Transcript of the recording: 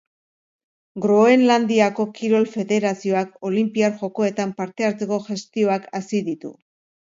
Groenlandiako kirol federazioak olinpiar jokoetan parte hartzeko gestioak hasi ditu.